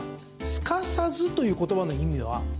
すかさずという言葉の意味は？